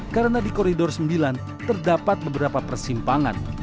karena di koridor sembilan terdapat beberapa persimpangan